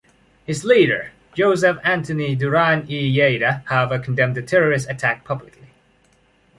His leader, Josep Antoni Duran i Lleida, however, condemned the terrorist attack publicly.